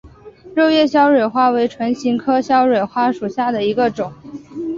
肉叶鞘蕊花为唇形科鞘蕊花属下的一个种。